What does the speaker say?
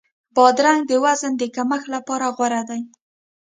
بادرنګ د وزن د کمښت لپاره غوره دی.